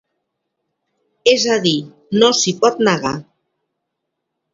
És a dir, no s’hi pot negar.